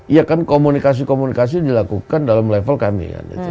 iya kan komunikasi komunikasi dilakukan dalam level kami kan